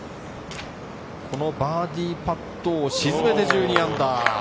このバーディーパットを沈めて−１２。